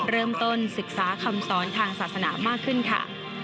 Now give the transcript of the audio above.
เริ่มต้นศึกษาคำสอนทางศาสนามากขึ้นค่ะ